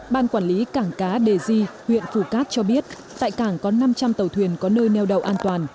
ban quản lý cảng cá đề di huyện phù cát cho biết tại cảng có năm trăm linh tàu thuyền có nơi neo đậu an toàn